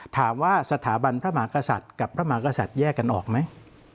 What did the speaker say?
ถามว่าสถาบันพระมหากษัตริย์กับพระมหากษัตริย์แยกกันออกไหม